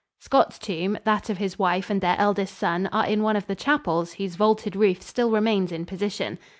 Scott's tomb, that of his wife and their eldest son are in one of the chapels whose vaulted roof still remains in position.